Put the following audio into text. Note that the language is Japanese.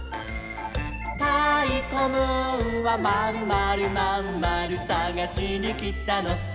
「たいこムーンはまるまるまんまるさがしにきたのさ」